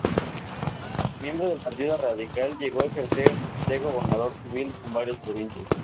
Miembro del Partido radical, llegó a ejercer de gobernador civil en varias provincias.